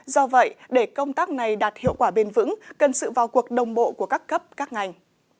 do vậy để công tác này đạt hiệu quả bền vững cần sự vào cuộc đồng bộ của các cấp các ngành